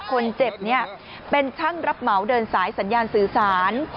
คนเจ็บเป็นช่างรับเหมาเดินสายสัญญาณสื่อสาร